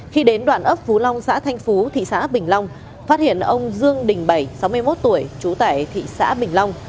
khi đến đoạn ấp phú long xã thanh phú thị xã bình long phát hiện ông dương đình bảy sáu mươi một tuổi trú tại thị xã bình long